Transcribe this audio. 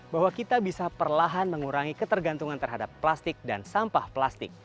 bahwa kita bisa perlahan mengurangi ketergantungan terhadap plastik dan sampah plastik